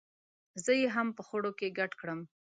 زه یې هم په خړو کې ګډ کړم.